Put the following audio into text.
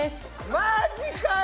マジかよ！